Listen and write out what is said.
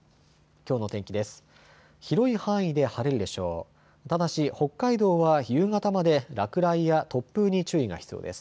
きょうの天気です。